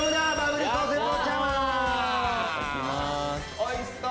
おいしそう。